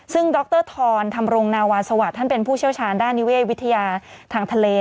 ซึ่งดรธรธรรมรงนาวาสวัสดิ์ท่านเป็นผู้เชี่ยวชาญด้านนิเวศวิทยาทางทะเล